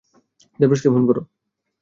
দেবারাজকে phone করো।